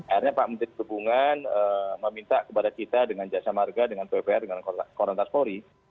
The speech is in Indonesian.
akhirnya pak menteri perhubungan meminta kepada kita dengan jasa marga dengan ppr dengan korontas polri